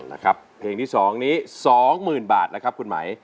หรือนะครับเพลงที่สองนี้สองหมื่นบาทแล้วครับคุณมัย